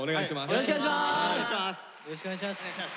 よろしくお願いします。